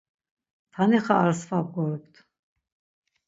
Tanixa ar sva bgorupt.